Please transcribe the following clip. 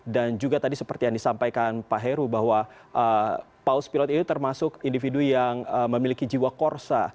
dan juga tadi seperti yang disampaikan pak heru bahwa paus pilot itu termasuk individu yang memiliki jiwa korsa